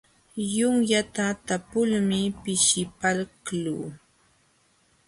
Yunyata talpulmi pishipaqluu.